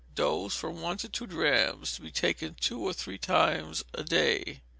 Dose, from one to two drachms, to be taken two or three times a day.